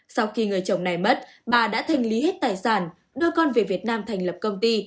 sau khi người chồng này mất bà đã thành lý hết tài sản đưa con về việt nam thành lập công ty